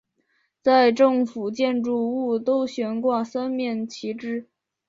在政府建筑物都悬挂三面旗帜。